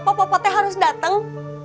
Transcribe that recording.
kenapa papa harus datang